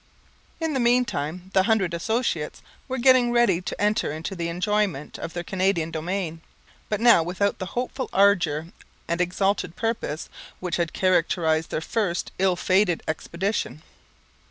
In the meantime the Hundred Associates were getting ready to enter into the enjoyment of their Canadian domain, but now without the hopeful ardour and exalted purpose which had characterized their first ill fated expedition.